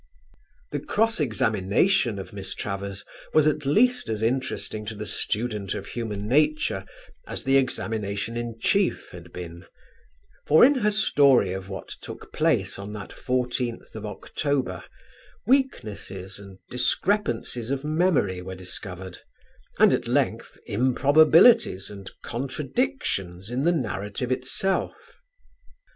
The cross examination of Miss Travers was at least as interesting to the student of human nature as the examination in chief had been, for in her story of what took place on that 14th of October, weaknesses and discrepancies of memory were discovered and at length improbabilities and contradictions in the narrative itself.